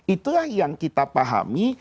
itu adalah yang kita pahami